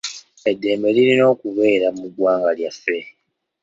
Eddembe lirina okubeera mu gwanga lyaffe.